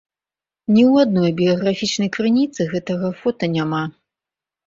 Ні ў адной біяграфічнай крыніцы гэтага фота няма.